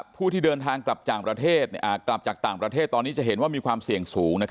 ผู้ที่เดินทางกลับจากต่างประเทศตอนนี้จะเห็นว่ามีความเสี่ยงสูง